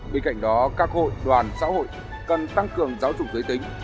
bên cạnh đó các hội đoàn xã hội cần tăng cường giáo dục giới tính